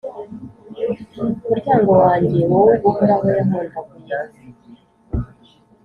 Muryango wanjye, wowe Uhoraho yahondaguye,